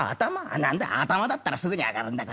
何だ頭だったらすぐに上がるんだこっちはね。